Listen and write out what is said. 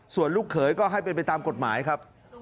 ส่วนลูกเขยก็ให้เป็นไปตามกฎหมายครับ